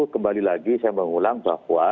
kembali lagi saya mengulang bahwa